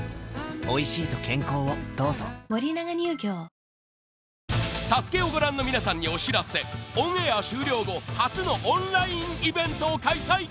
山田勝己５６歳ＳＡＳＵＫＥをご覧の皆さんにお知らせオンエア終了後初のオンラインイベントを開催